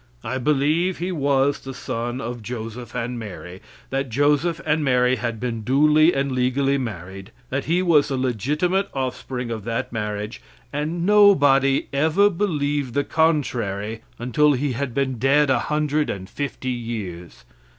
I believe He was the son of Joseph and Mary; that Joseph and Mary had been duly and legally married; that He was the legitimate offspring of that marriage, and nobody ever believed the contrary until He had been dead 150 years.